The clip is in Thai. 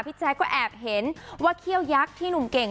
แจ๊คก็แอบเห็นว่าเขี้ยวยักษ์ที่หนุ่มเก่ง